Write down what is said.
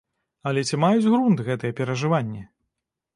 Але ці маюць грунт гэтыя перажыванні?